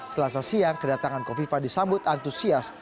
selasa siang kedatangan kofifa disambut antusias